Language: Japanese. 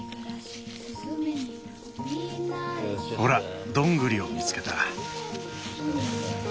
ほらどんぐりを見つけた。